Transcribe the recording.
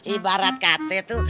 ibarat kata itu